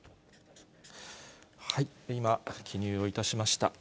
今、記入をいたしました。